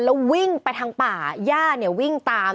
แล้ววิ่งไปทางป่าย่าเนี่ยวิ่งตาม